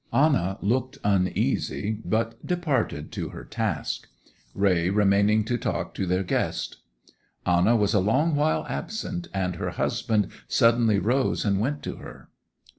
Anna looked uneasy, but departed to her task, Raye remaining to talk to their guest. Anna was a long while absent, and her husband suddenly rose and went to her.